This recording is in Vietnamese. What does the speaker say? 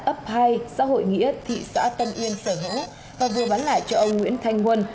ấp hai xã hội nghĩa thị xã tân uyên sở hữu và vừa bán lại cho ông nguyễn thanh huân